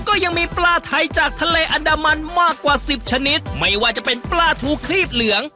ก็ยังมีปลาไทยจากทะเลอันดามันมากกว่าสิบชนิดไม่ว่าจะเป็นปลาทูครีบเหลือง